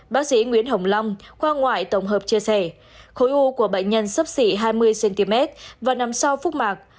bác sĩ nguyễn hồng long khoa ngoại tổng hợp chia sẻ khối u của bệnh nhân sấp xỉ hai mươi cm và nằm sau phúc mạc